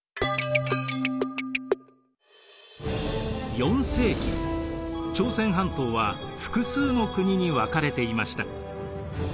４世紀朝鮮半島は複数の国に分かれていました。